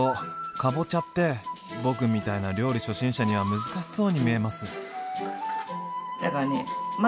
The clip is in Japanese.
かぼちゃって僕みたいな料理初心者には難しそうに見えます。